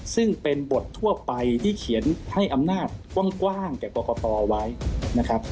ซึ่งเป็นบททั่วไปที่เขียนให้อำนาจกว้างแก่กรกตไว้นะครับ